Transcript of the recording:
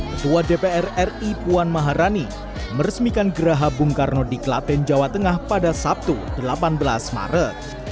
ketua dpr ri puan maharani meresmikan geraha bung karno di klaten jawa tengah pada sabtu delapan belas maret